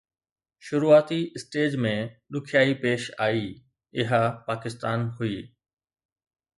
شروعاتي اسٽيج ۾ ڏکيائي پيش آئي، اها پاڪستان هئي